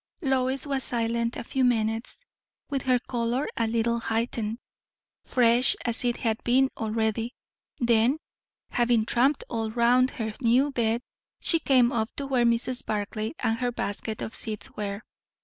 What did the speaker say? Lois was silent a few minutes, with her colour a little heightened, fresh as it had been already; then, having tramped all round her new bed, she came up to where Mrs. Barclay and her basket of seeds were.